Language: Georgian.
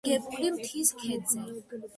განლაგებულია მთის ქედზე.